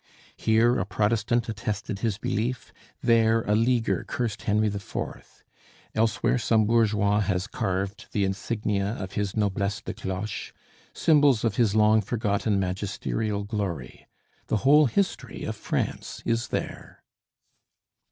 Here a Protestant attested his belief; there a Leaguer cursed Henry IV.; elsewhere some bourgeois has carved the insignia of his noblesse de cloches, symbols of his long forgotten magisterial glory. The whole history of France is there.